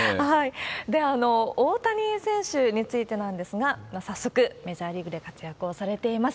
では、大谷選手についてなんですが、早速メジャーリーグで活躍をされています。